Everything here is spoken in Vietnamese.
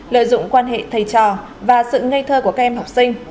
lợi dụng quan hệ thầy trò và sự ngây thơ của các em học sinh